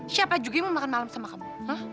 siapa juga yang mau makan malam sama kamu